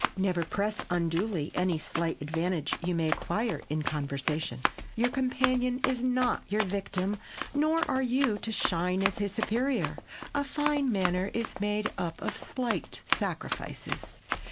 Never press unduly any slight advantage you may acquire in conversation. Your companion is not your victim nor are you to shine as his superior. A fine manner is made up of many slight sacrifices.